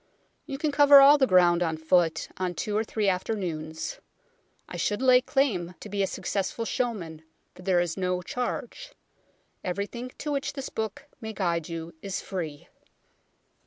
You can cover all the ground on foot on two or three afternoons. I should lay claim to be a successful showman, for there is no charge ; everything to which this book may guide you is free.